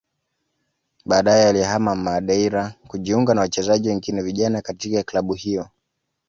Baadaye alihama Madeira kujiunga na wachezaji wengine vijana katika klabu hiyo